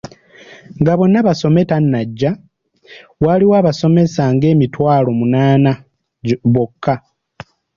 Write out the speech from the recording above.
Nga `Bonna Basome' tenajja waaliwo abasomesa ng'emitwalo munaana bokka.